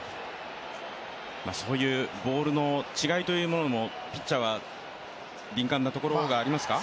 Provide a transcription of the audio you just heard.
そういうボールの違いというものもピッチャーは敏感なところがありますか。